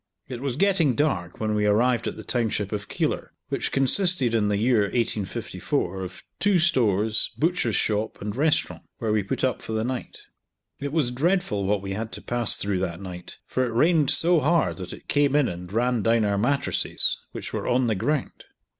It was getting dark when we arrived at the township of Keilor, which consisted in the year 1854 of two stores, butcher's shop, and restaurant, where we put up for the night. It was dreadful what we had to pass through that night, for it rained so hard that it came in and ran down our mattresses, which were on the ground.